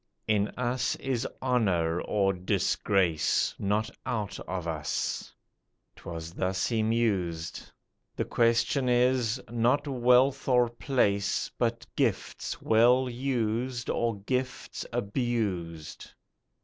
In us is honour, or disgrace, Not out of us," 'twas thus he mused, "The question is, not wealth or place, But gifts well used, or gifts abused."